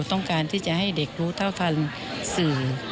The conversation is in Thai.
ต้องการที่จะให้เด็กรู้เท่าทันสื่อ